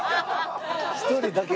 １人だけ？